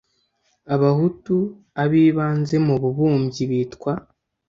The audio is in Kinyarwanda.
abahutu abibanze mu bubumbyi bitwa